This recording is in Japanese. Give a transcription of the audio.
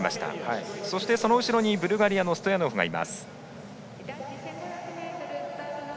そして、その後ろにブルガリアのストヤノフがいます。